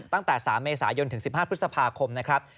ตั้งแต่๓เมษายนถึง๑๕พฤษภาคมนะครับ